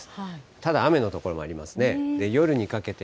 ただ、雨の所もありますね。